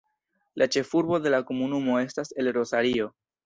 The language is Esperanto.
La ĉefurbo de la komunumo estas El Rosario.